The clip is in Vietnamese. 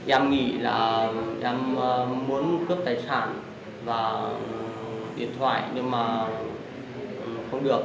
em nghĩ là em muốn cướp tài sản và điện thoại nhưng mà không được